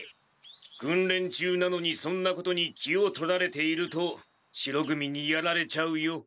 くんれん中なのにそんなことに気を取られていると白組にやられちゃうよ。